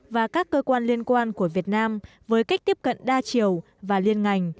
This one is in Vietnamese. và các cơ quan liên quan của việt nam với cách tiếp cận đa chiều và liên ngành